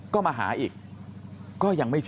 ก็มาหาอีกก็ยังไม่เจอ